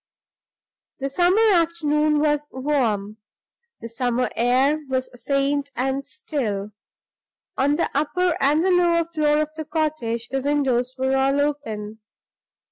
The summer afternoon was warm; the summer air was faint and still. On the upper and the lower floor of the cottage the windows were all open.